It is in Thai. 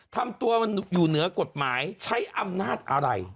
ทำตัวมันอยู่เหนือกฎหมายใช้อำนาจอะไร